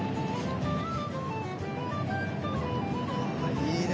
あいいね。